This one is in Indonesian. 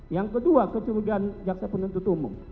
yang kedua keturigaan jakta penentu umum